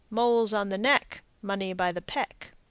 Moles on the neck, Money by the peck.